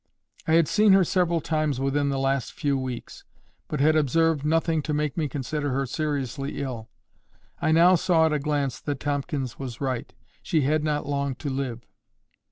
I had seen her several times within the last few weeks, but had observed nothing to make me consider her seriously ill. I now saw at a glance that Tomkins was right. She had not long to live.